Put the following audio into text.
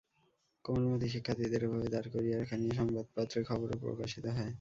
কোমলমতি শিক্ষার্থীদের এভাবে দাঁড় করিয়ে রাখা নিয়ে সংবাদপত্রে খবরও প্রকাশিত হয়।